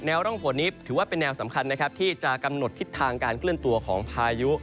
ร่องฝนนี้ถือว่าเป็นแนวสำคัญนะครับที่จะกำหนดทิศทางการเคลื่อนตัวของพายุ